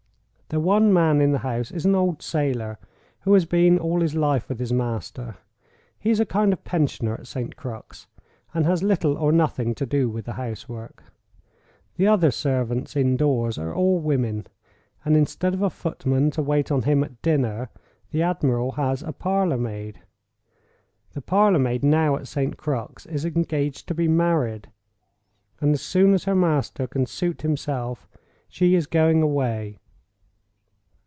The one man in the house is an old sailor, who has been all his life with his master—he is a kind of pensioner at St. Crux, and has little or nothing to do with the housework. The other servants, indoors, are all women; and instead of a footman to wait on him at dinner, the admiral has a parlor maid. The parlor maid now at St. Crux is engaged to be married, and as soon as her master can suit himself she is going away.